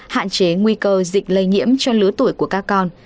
hạn chế nguy cơ dịch lây nhiễm cho lứa tuổi của các con